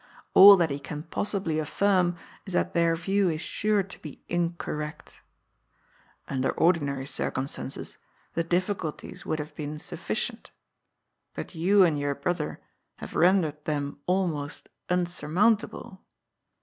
All that he can possibly affirm is that their view is sure to be incorrect. Under ordinary circumstances the difficulties would have been sufficient. But you and your brother have rendered them almost insurmountable.